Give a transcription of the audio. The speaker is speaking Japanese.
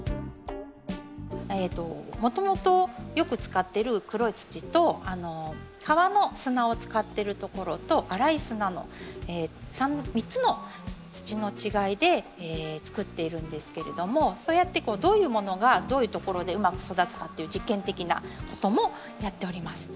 もともとよく使ってる黒い土と川の砂を使ってるところとあらい砂の３つの土の違いでつくっているんですけれどもそうやってどういうものがどういうところでうまく育つかという実験的なこともやっております。